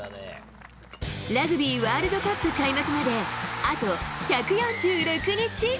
ラグビーワールドカップ開幕まであと１４６日。